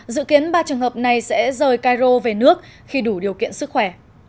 dự kiến ba trường hợp này sẽ rời cairo về nước khi đủ điều kiện sức khỏe